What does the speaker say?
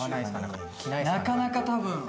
なかなか多分。